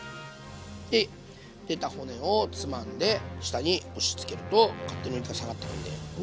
で出た骨をつまんで下に押しつけると勝手にお肉が下がってくんで。